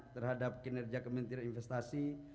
terhadap kinerja kementerian investasi